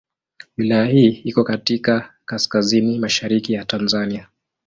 Wilaya hii iko katika kaskazini mashariki ya Tanzania.